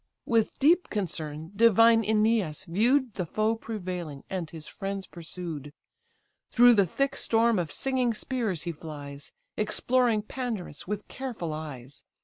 With deep concern divine Æneas view'd The foe prevailing, and his friends pursued; Through the thick storm of singing spears he flies, Exploring Pandarus with careful eyes.